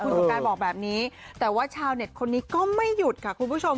สงการบอกแบบนี้แต่ว่าชาวเน็ตคนนี้ก็ไม่หยุดค่ะคุณผู้ชม